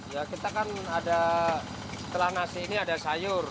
ya kita kan ada setelah nasi ini ada sayur